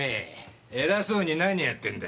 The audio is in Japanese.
偉そうに何やってんだ？